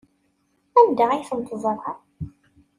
Anda ay ten-teẓram?